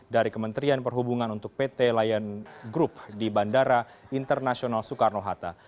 dari kementerian perhubungan untuk pt lion group di bandara internasional soekarno hatta